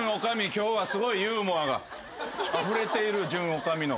今日はすごいユーモアがあふれている準女将の。